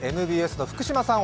ＭＢＳの福島さん